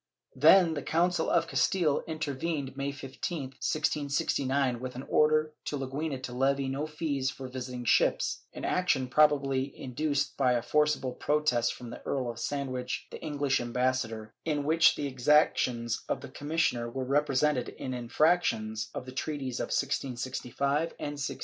Then the Council of Castile intervened May 15, 1669, with an order to Leguina to levy no fees for visiting ships, an action probably induced by a forcible protest from the Earl of Sandwich, the Enghsh ambassa dor, in which the exactions of the commissioner were represented as infractions of the treaties of 1665 and 1667.